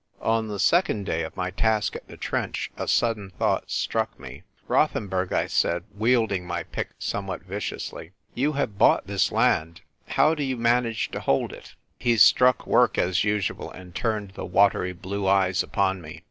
On the second day of my task at the trench a sudden thought struck me. " Rothenburg," I said, wielding my pick somewhat viciously, "you have bought this land; how do you manage to hold it ?" He struck work, as usual, and turned the watery blue eyes upon me.